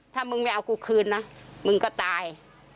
ถ้ามึงไม่เอากูคืนนะมึงก็ตาย